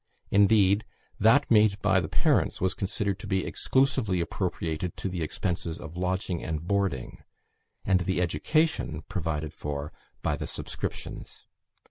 Indeed, that made by the parents was considered to be exclusively appropriated to the expenses of lodging and boarding, and the education provided for by the subscriptions.